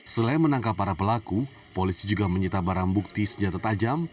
selain menangkap para pelaku polisi juga menyita barang bukti senjata tajam